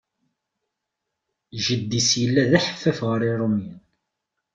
Jeddi-s yella d aḥeffaf ɣer Iṛumiyen.